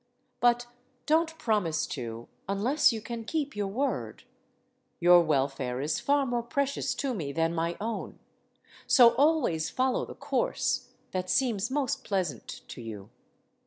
But don't promise to, unless you can keep your word. Your welfare is far more precious to me than my own. So always follow the course that seems most pleasant to you.